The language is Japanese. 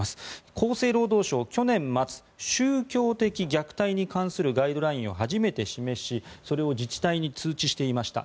厚生労働省は去年末宗教的虐待に関するガイドラインを初めて示しそれを自治体に通知していました。